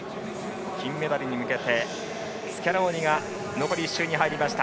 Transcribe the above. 金メダルに向けてスキャローニが残り１周に入りました。